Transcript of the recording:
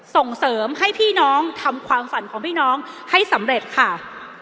ส่งเสริมให้พี่น้องทำความฝันของพี่น้องให้สำเร็จค่ะ